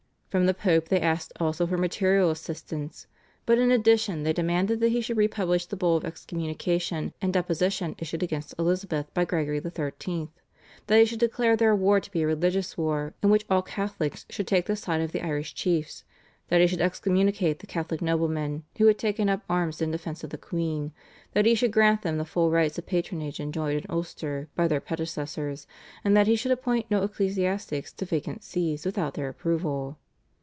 From the Pope they asked also for material assistance, but in addition they demanded that he should re publish the Bull of excommunication and deposition issued against Elizabeth by Gregory XIII., that he should declare their war to be a religious war in which all Catholics should take the side of the Irish chiefs, that he should excommunicate the Catholic noblemen who had taken up arms in defence of the queen, that he should grant them the full rights of patronage enjoyed in Ulster by their predecessors, and that he should appoint no ecclesiastics to vacant Sees without their approval.